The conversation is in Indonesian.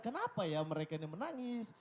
kenapa ya mereka ini menangis